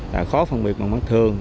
là khó phân biệt bằng mắt thường